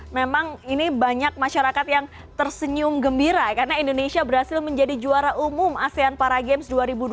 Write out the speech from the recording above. memang ini banyak masyarakat yang tersenyum gembira karena indonesia berhasil menjadi juara umum asean para games dua ribu dua puluh